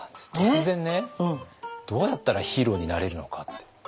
突然ねどうやったらヒーローになれるのかって。